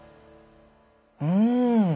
うん！